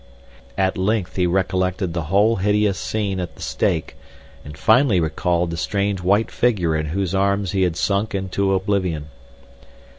At length he recollected the whole hideous scene at the stake, and finally recalled the strange white figure in whose arms he had sunk into oblivion.